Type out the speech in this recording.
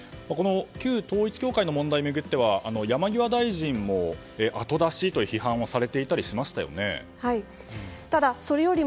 旧統一教会の問題を巡っては山際大臣も後出しと批判をされていましたよね。